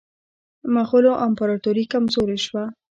مغولو امپراطوري کمزورې شوه.